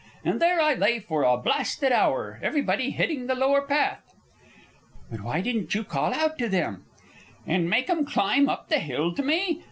And there I lay for a blasted hour, everybody hitting the lower path." "But why didn't you call out to them?" "And make 'em climb up the hill to me?